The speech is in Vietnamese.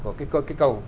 của cái cầu